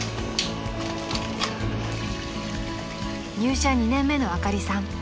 ［入社２年目のあかりさん］